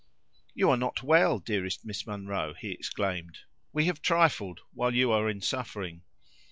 "You are not well, dearest Miss Munro!" he exclaimed; "we have trifled while you are in suffering!"